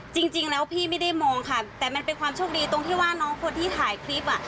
จริงแล้วพี่ไม่ได้มองค่ะแต่มันเป็นความโชคดีตรงที่ว่าน้องคนที่ถ่ายคลิปอ่ะ